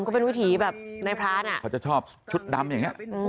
เออก็เป็นวิถีแบบไหนพระอร์าจริงค่ะเขาจะชอบชุดดำอย่างเงี้ย